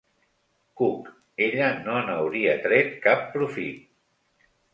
Cook, ella no n'hauria tret cap profit.